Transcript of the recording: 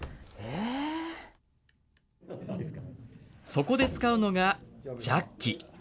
そこで使うのがジャッキ。